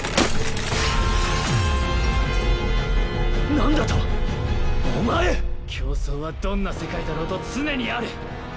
なんだとッ⁉おおまえ⁉競争はどんな世界だろうと常にあるッ！